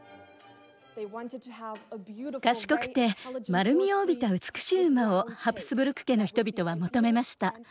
賢くて丸みを帯びた美しい馬をハプスブルク家の人々は求めました。